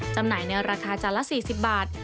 จำหน่ายในราคาจานละ๔๐บาท